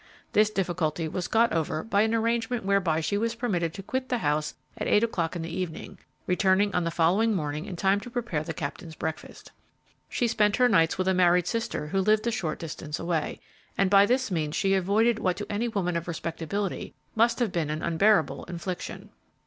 This difficulty was got over by an arrangement whereby she was permitted to quit the house at eight o'clock in the evening, returning on the following morning in time to prepare the Captain's breakfast. She spent her nights with a married sister who lived a short distance away, and by this means she avoided what to any woman of respectability must have been an unbearable infliction.